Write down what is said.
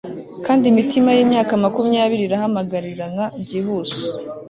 Kandi imitima yimyaka makumyabiri irahamagarirana byihuse